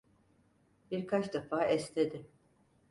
Birkaç defa esnedi.